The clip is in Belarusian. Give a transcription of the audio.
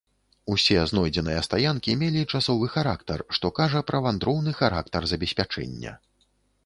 Усе знойдзеныя стаянкі мелі часовы характар, што кажа пра вандроўны характар забеспячэння.